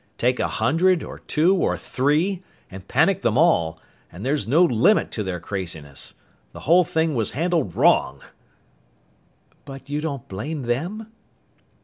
Take a hundred or two or three and panic them all, and there's no limit to their craziness! The whole thing was handled wrong!" "But you don't blame them?"